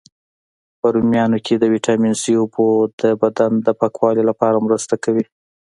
په رومیانو کی د ویټامین C، اوبو د بدن د پاکوالي لپاره مرسته کوي.